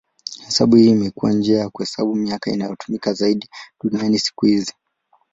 Hesabu hii imekuwa njia ya kuhesabu miaka inayotumika zaidi duniani siku hizi.